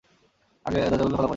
আগে, দরজাগুলো খোলা প্রয়োজন।